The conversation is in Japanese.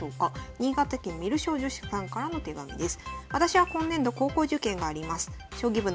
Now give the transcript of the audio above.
新潟県観る将女子さんからの手紙です。